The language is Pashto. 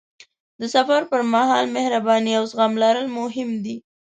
د سفر پر مهال مهرباني او زغم لرل مهم دي.